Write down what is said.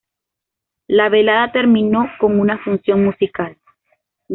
La velada terminó con una función musical.